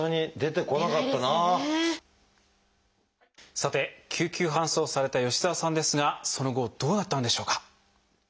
さて救急搬送された吉澤さんですがその後どうなったんでしょうか？